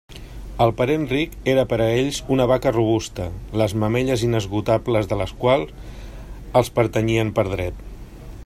El parent ric era per a ells una vaca robusta, les mamelles inesgotables de la qual els pertanyien per dret.